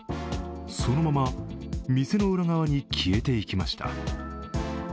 そのまま、店の裏側に消えていきました。